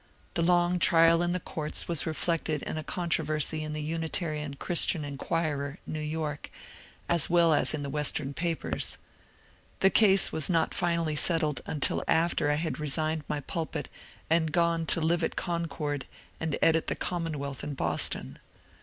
The long trial in the courts was reflected in a controversy in the Unitarian CAtm iian Inquirer, New York, as well as in the western papers. The case was not Anally settled until after I had resigned my pulpit and gone to live at Concord and edit the CammonweaUh in Boston.